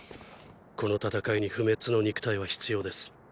この戦いに不滅の肉体は必要です。